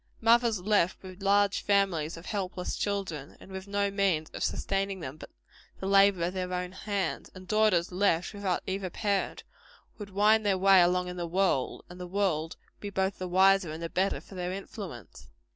Mothers left with large families of helpless children, and with no means of sustaining them but the labor of their own hands, and daughters left without either parent, would wind their way along in the world, and the world be both the wiser and the better for their influence.